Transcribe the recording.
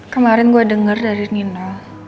kemarin gue denger dari nino